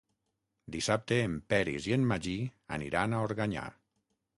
Dissabte en Peris i en Magí aniran a Organyà.